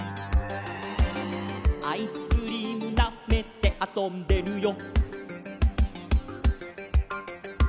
「アイスクリームなめてあそんでるよ」